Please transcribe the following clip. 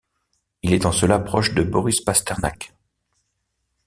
Il est en cela proche de Boris Pasternak.